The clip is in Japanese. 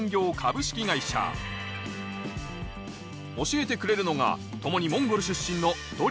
教えてくれるのが共にモンゴル出身のえ！